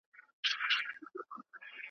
راغی پر نړۍ توپان ګوره چي لا څه کیږي